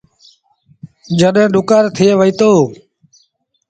جڏهيݩ ڏُڪآر ٿئي وهيٚتو۔